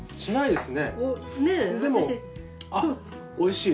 でもおいしい。